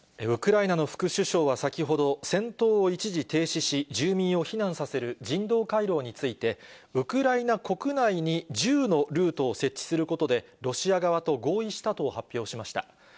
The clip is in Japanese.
ウクライナの副首相は先ほど、戦闘を一時停止し、住民を避難させる人道回廊について、ウクライナ国内に１０のルートを設置することで、ロシア側と合意したと発表しました。